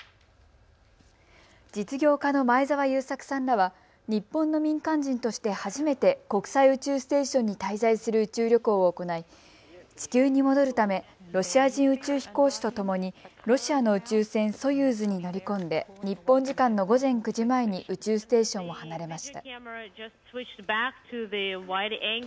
実業家の前澤友作さんらは日本の民間人として初めて国際宇宙ステーションに滞在する宇宙旅行を行い地球に戻るためロシア人宇宙飛行士とともにロシアの宇宙船、ソユーズに乗り込んで日本時間の午前９時前に宇宙ステーションを離れました。